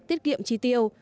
tiết kiệm chi tiêu